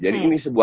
jadi menurut saya